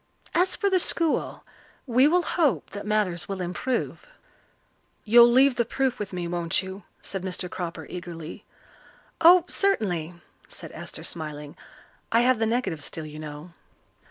As for the school, we will hope that matters will improve." "You'll leave the proof with me, won't you?" said Mr. Cropper eagerly. "Oh, certainly," said Esther, smiling. "I have the negative still, you know."